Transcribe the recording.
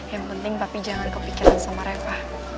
yang penting tapi jangan kepikiran sama reva